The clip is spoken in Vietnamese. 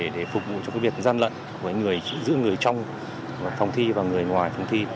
để phục vụ cho cái việc gian lận của người giữ người trong thòng thi và công nghệ